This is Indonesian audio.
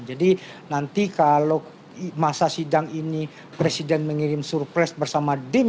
jadi nanti kalau masa sidang ini presiden mengirim surprise bersama dim